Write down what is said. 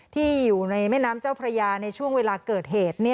ที่อยู่ในแม่น้ำเจ้าพระยาในช่วงเวลาเกิดเหตุ